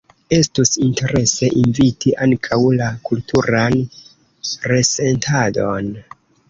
Estus interese inviti ankaŭ la kulturan resentadon.